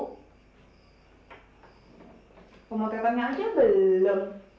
komotetannya aja belum